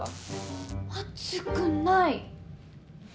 熱くない。